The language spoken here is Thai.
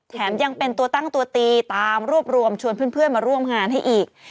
ยังเป็นตัวตั้งตัวตีตามรวบรวมชวนเพื่อนมาร่วมงานให้อีก